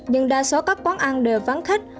nhưng đa số các quán ăn đều vắng khách